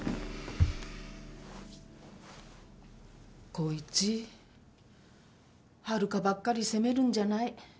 光一春香ばっかり責めるんじゃない。